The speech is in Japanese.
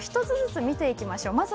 １つずつ見ていきましょう。